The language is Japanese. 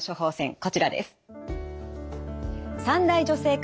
こちらです。